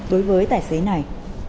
đối với tài xế này